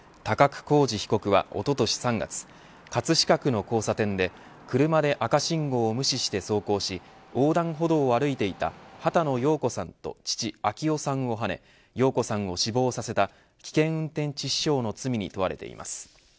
高久浩二被告はおととし３月、葛飾区の交差点で車で赤信号を無視して走行し横断歩道を歩いていた波多野耀子さんと父、暁生さんをはね耀子さんを死亡させた危険運転致死傷の罪に問われています。